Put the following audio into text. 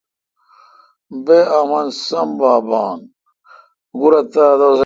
بہ امن سوم وا بھا۔